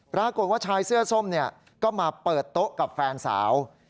ปรากฏว่าชายเสื้อส้มก็มาเปิดโต๊ะกับแฟนสาว